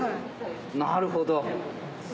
なるほど。